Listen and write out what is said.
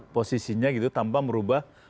posisinya gitu tanpa merubah